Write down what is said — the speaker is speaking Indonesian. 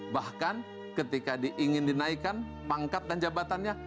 bahkan ketika diingin dinaikan pangkat dan jabatannya